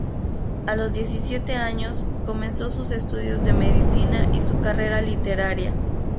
A los diecisiete años comenzó sus estudios de medicina y su carrera literaria.